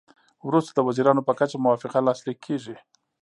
وروسته د وزیرانو په کچه موافقه لاسلیک کیږي